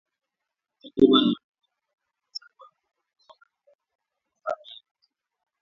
Takribani watu thamanini na saba wameuawa na mamia kujeruhiwa.